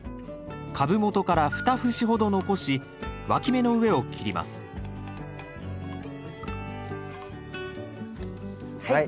株元から２節ほど残しわき芽の上を切りますはい。